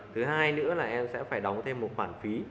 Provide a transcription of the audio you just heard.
thứ hai nữa là em sẽ phải đóng thêm một khoản phí